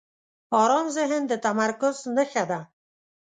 آرام ذهن د تمرکز نښه ده.